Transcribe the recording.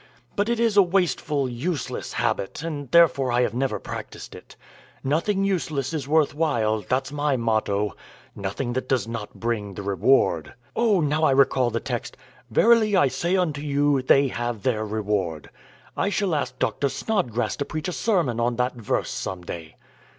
But it is a wasteful, useless habit, and therefore I have never practised it. Nothing useless is worth while, that's my motto nothing that does not bring the reward. Oh, now I recall the text, 'Verily I say unto you they have their reward.' I shall ask Doctor Snodgrass to preach a sermon on that verse some day."